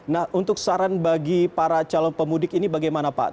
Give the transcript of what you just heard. nah untuk saran bagi para calon pemudik ini bagaimana pak